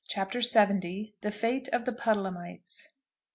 CHAPTER LXX. THE FATE OF THE PUDDLEHAMITES.